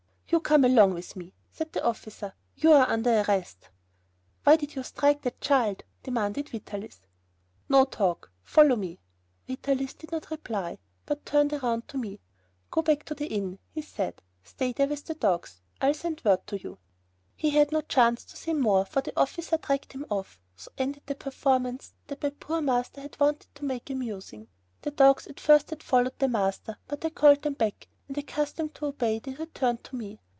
"You come along with me," said the officer, "you're under arrest." "Why did you strike that child?" demanded Vitalis. "No talk. Follow me." Vitalis did not reply, but turned round to me. "Go back to the inn," he said, "and stay there with the dogs. I'll send word to you." He had no chance to say more, for the officer dragged him off. So ended the performance that my poor master had wanted to make amusing. The dogs at first had followed their master, but I called them back, and accustomed to obey, they returned to me.